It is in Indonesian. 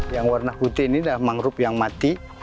yang warna putih ini adalah mangrove yang mati